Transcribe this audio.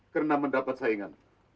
kena mendapat saingan